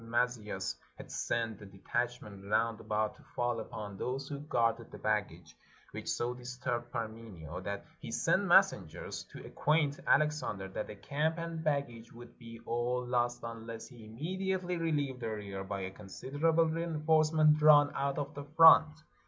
Maz£eus had sent a detachment round about to fall upon those who guarded the baggage, which so disturbed Parmenio, that he sent messengers to acquaint Alex ander that the camp and baggage would be all lost un less he immediately relieved the rear by a considerable reinforcement drawn out of the front.